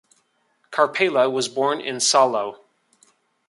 Karpela was born in Salo.